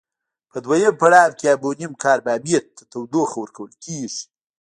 په دویم پړاو کې امونیم کاربامیت ته تودوخه ورکول کیږي.